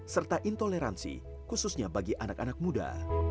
serta intoleransi khususnya bagi anak anak muda